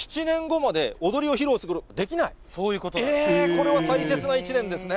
これは大切な一年ですね。